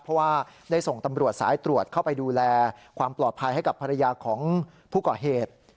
เพราะว่าได้ส่งตำรวจสายตรวจเข้าไปดูแลความปลอดภัยให้กับภรรยาของผู้ก่อเหตุ